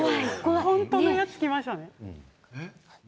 本当のやつきました。